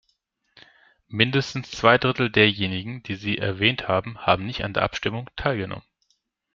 Mindestens zwei Drittel derjenigen, die Sie erwähnt haben, haben nicht an der Abstimmung teilgenommen.